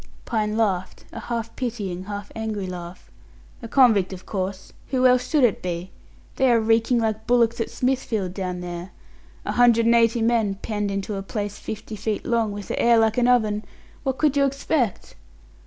Pine laughed a half pitying, half angry laugh. "A convict, of course. Who else should it be? They are reeking like bullocks at Smithfield down there. A hundred and eighty men penned into a place fifty feet long, with the air like an oven what could you expect?"